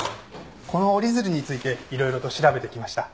この折り鶴についていろいろと調べてきました。